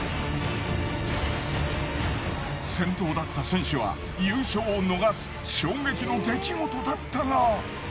先頭だった選手は優勝を逃す衝撃の出来事だったが。